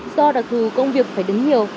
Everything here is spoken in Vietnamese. do đặc thủ công việc phải đứng nhiều